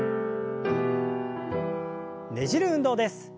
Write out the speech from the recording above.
ねじる運動です。